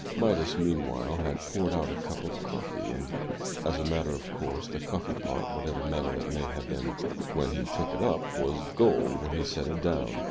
Midas, meanwhile, had poured out a cup of coffee, and, as a matter of course, the coffee pot, whatever metal it may have been when he took it up, was gold when he set it down.